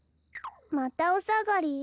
またおさがり？